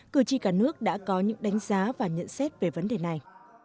cử tri cả nước đã có những đánh giá và nhận xét về vấn đề này